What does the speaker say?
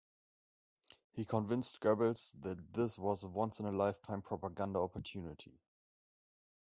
He convinced Goebbels that this was a once in a lifetime propaganda opportunity.